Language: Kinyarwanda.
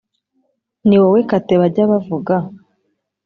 niwowe, kate bajya bavuga?